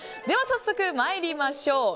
では早速、参りましょう。